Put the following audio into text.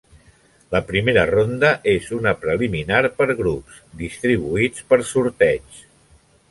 La primera ronda és una preliminar per grups, distribuïts per sorteig.